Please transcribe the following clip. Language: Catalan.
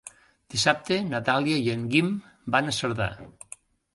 Dissabte na Dàlia i en Guim van a Cerdà.